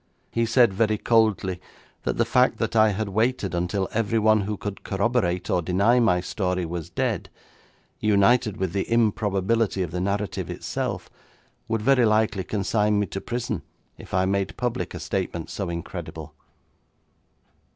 He said very coldly that the fact that I had waited until everyone who could corroborate or deny my story was dead, united with the improbability of the narrative itself, would very likely consign me to prison if I made public a statement so incredible.'